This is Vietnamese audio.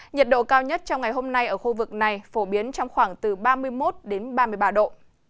nhiệt độ cao nhất trong ngày hôm nay ở khu vực này phổ biến trong khoảng từ ba mươi một đến ba mươi ba độ